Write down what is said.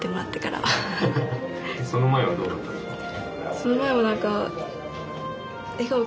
その前はどうだったんですか？